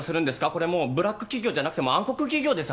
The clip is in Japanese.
これもうブラック企業じゃなくてもう暗黒企業ですよ